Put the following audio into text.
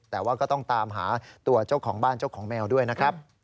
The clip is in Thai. แต่ว่าก็ต้องตามหาตัวเจ้าของบ้านเจ้าของแมวด้วยนะครับ